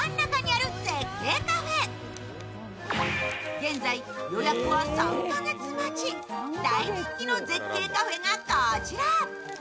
現在、予約は３カ月待ち、大人気の絶景カフェがこちら。